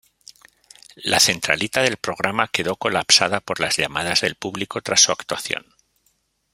La centralita del programa quedó colapsada por las llamadas del público tras su actuación.